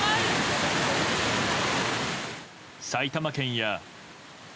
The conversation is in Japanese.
埼玉県や。